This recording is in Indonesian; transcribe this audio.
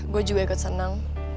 gue juga ikut senang